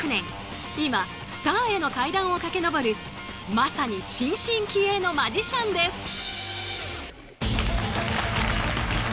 今スターへの階段を駆け上るまさに新進気鋭のマジシャンです。